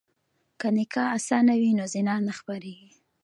که نکاح اسانه وي نو زنا نه خپریږي.